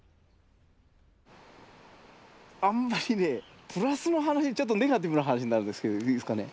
あんまりねプラスの話ちょっとネガティブな話になるんですけどいいですかね？